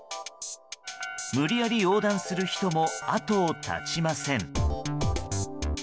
無理やり横断する人も後を絶ちません。